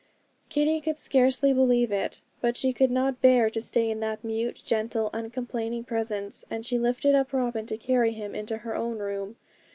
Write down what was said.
Kitty could scarcely believe it; but she could not bear to stay in that mute, gentle, uncomplaining presence; and she lifted up Robin to carry him into her own room.